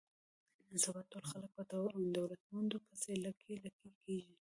نن سبا ټول خلک په دولتمندو پسې لکۍ لکۍ کېږي.